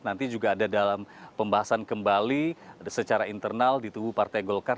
nanti juga ada dalam pembahasan kembali secara internal di tubuh partai golkar